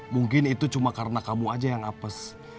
mungkin itu cuma karena kamu aja yang apes